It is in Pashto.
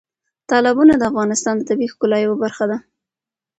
تالابونه د افغانستان د طبیعي ښکلا یوه برخه ده.